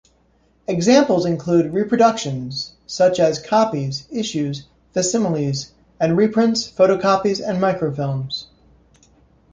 Examples include reproductions such as copies, issues, facsimiles and reprints, photocopies, and microfilms.